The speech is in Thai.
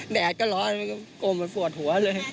แดดก็ร้อยกกมปวดปวดหัวเลย